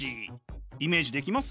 イメージできます？